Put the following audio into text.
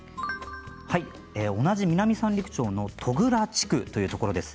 同じ南三陸町の戸倉地区というところです。